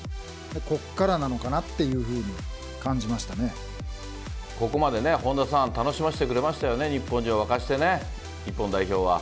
ここからなのかなっていうふうにここまでね、本田さん、楽しませてくれましたよね、日本中を沸かしてね、日本代表は。